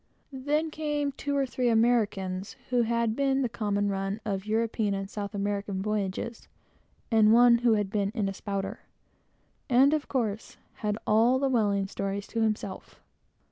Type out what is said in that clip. Then, came two or three Americans, who had been the common run of European and South American voyages, and one who had been in a "spouter," and, of course, had all the whaling stories to himself.